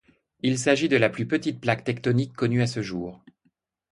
Il s'agit de la plus petite plaque tectonique connue à ce jour.